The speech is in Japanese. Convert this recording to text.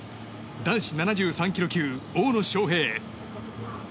男子７３ｋｇ級、大野将平。